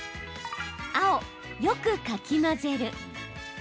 青・よくかき混ぜる。